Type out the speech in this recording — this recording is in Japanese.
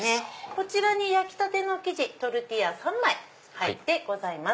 こちらに焼きたての生地トルティーヤ３枚入ってます。